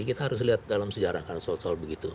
kita harus lihat dalam sejarah kan soal soal begitu